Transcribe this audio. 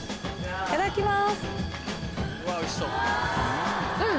いただきます。